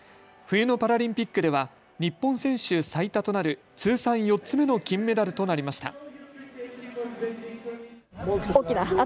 冬のパラリンピックでは日本選手最多となる通算４つ目の金メダルとなりました。